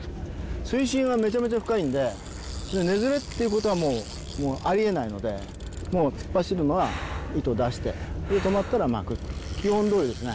水深はめちゃめちゃ深いんで根ズレっていうことはもうもうありえないのでもう突っ走るまま糸出してで止まったら巻く基本どおりですね